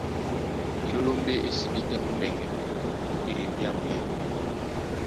Elólómbé é sibí tɛ́ ó mbɛŋgɛ, kɛ́ ebyámu yê.